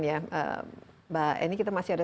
ini kita masih ada